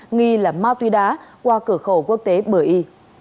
nghi là mao tuy đá qua cửa khẩu quốc tế bởi y